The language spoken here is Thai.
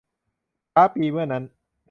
ช้าปี่ เมื่อนั้น